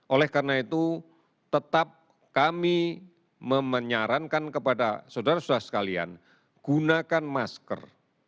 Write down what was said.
oleh karena itu tetap kami memenyarankan kepada saudara saudara sekalian gunakan masker